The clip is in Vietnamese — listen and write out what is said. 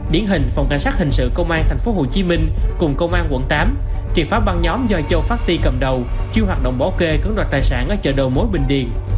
điển hình phòng cảnh sát hình sự công an tp hcm cùng công an quận tám triệt phá băng nhóm doi châu phát ti cầm đầu chiêu hoạt động bỏ kê cướng đoạt tài sản ở chợ đầu mối bình điền